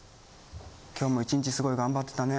今日も１日すごい頑張ってたね。